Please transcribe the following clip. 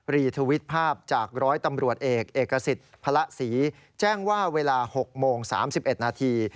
รีทวิตภาพจากร้อยตำรวจเอกเอกสิทธิ์พระศรีแจ้งว่าเวลา๖โมง๓๑นาที